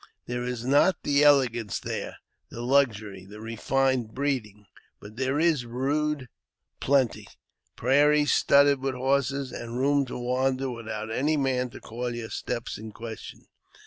There is not the elegance there, the luxury, the refined breeding, but there is rude plenty, prairies studded with horses, and room to wander without any man to call your steps in question.